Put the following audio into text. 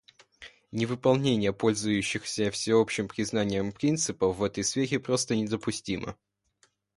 Невыполнение пользующихся всеобщим признанием принципов в этой сфере просто недопустимо.